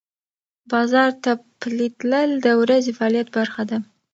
بازار ته پلي تلل د ورځې فعالیت برخه ده.